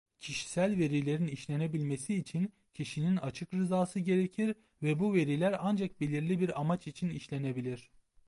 Kişisel verilerin işlenebilmesi için kişinin açık rızası gerekir ve bu veriler ancak belirli bir amaç için işlenebilir.